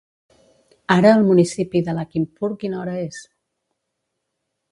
Ara al municipi de Lakhimpur quina hora és?